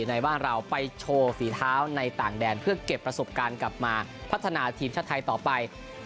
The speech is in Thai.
ในบ้านเราไปโชว์ฝีเท้าในต่างแดนเพื่อเก็บประสบการณ์กลับมาพัฒนาทีมชาติไทยต่อไป